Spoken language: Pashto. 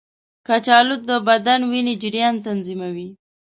کچالو د بدن وینې جریان تنظیموي.